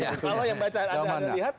kalau yang bacaan anda lihat